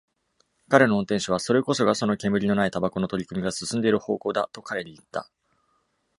彼の運転手は、それこそがその煙のないタバコの取り組みが進んでいる方向だ、と彼にいった。